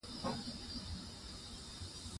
موږ هر سهار چای څښي🥃